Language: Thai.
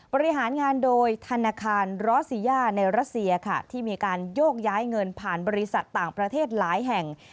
บริหารงานโดยธนาคารร้อซีย่าในรัสเซียค่ะที่มีการโยกย้ายเงินผ่านบริษัทต่างประเทศหลายแห่ง